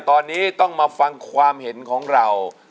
ตอนนี้ต้องมาฟังความเห็นของเรา